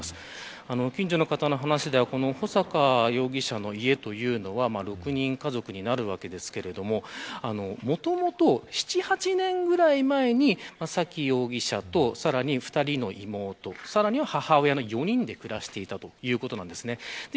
近所の方の話では穂坂容疑者の家は６人家族ですけどもともと７、８年前に沙喜容疑者と２人の妹さらに母親の４人で暮らしていたということです。